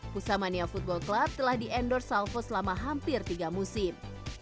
pusamania football club telah di endorse salvo selama hampir tiga musim